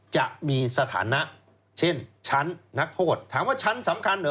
จะมีสถานะเช่นชั้นนักโทษถามว่าชั้นสำคัญเหรอ